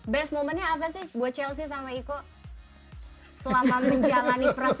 best momentnya apa sih buat chelsea sama iko selama menjalani proses